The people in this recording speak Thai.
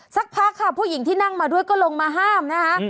สักพักค่ะผู้หญิงที่นั่งมาด้วยก็ลงมาห้ามนะคะ